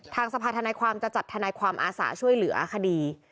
ทางสภาธนายความจะจัดทนายความอาสาช่วยเหลือคดี